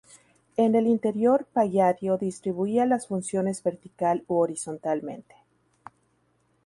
En el interior Palladio distribuía las funciones vertical u horizontalmente.